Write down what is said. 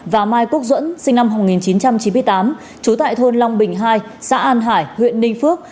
và mai quốc duẫn sinh năm một nghìn chín trăm chín mươi tám trú tại thôn long bình hai xã an hải huyện ninh phước